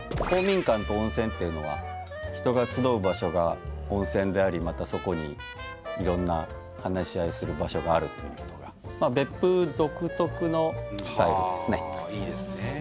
公民館と温泉っていうのは人が集う場所が温泉でありまたそこにいろんな話し合いする場所があるっていうことが別府独特のスタイルですね。